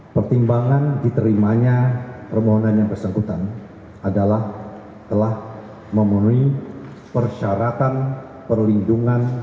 pertimbangan diterimanya permohonan yang bersangkutan adalah telah memenuhi persyaratan perlindungan